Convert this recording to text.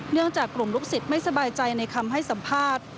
จากกลุ่มลูกศิษย์ไม่สบายใจในคำให้สัมภาษณ์